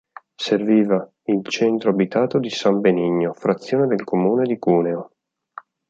Serviva il centro abitato di San Benigno, frazione del comune di Cuneo.